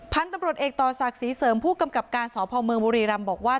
พันธุ์ตำรวจเอกต่อศักดิ์ศรีเสริมผู้กำกับการสพเมืองบุรีรำบอกว่า